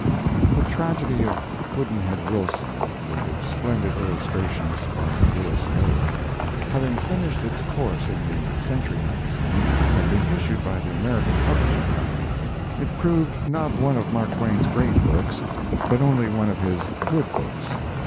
The tragedy of 'Pudd'nhead Wilson', with its splendid illustrations by Louis Loeb, having finished its course in the Century Magazine, had been issued by the American Publishing Company. It proved not one of Mark Twain's great books, but only one of his good books.